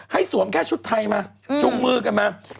สวมแค่ชุดไทยมาจุงมือกันมา